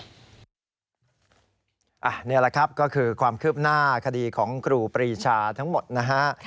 นี่แหละครับก็คือความคืบหน้าคดีของครูปรีชาทั้งหมดนะฮะ